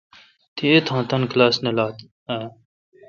تی ایتھان کلاس نہ لات اؘ۔